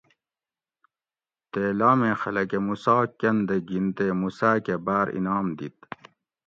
تے لامی خلکہ موسیٰ کنۤ دہ گین تے موسیٰ کہ باۤر انعام دیت